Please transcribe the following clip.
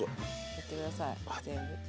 やって下さい全部。